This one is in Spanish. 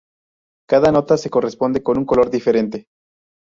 Cada nota se corresponde con un color diferente.